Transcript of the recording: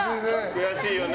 悔しいよね。